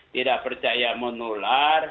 tidak percaya menular